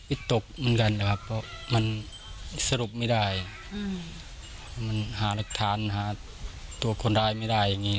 ตกเหมือนกันนะครับเพราะมันสรุปไม่ได้มันหารักฐานหาตัวคนร้ายไม่ได้อย่างนี้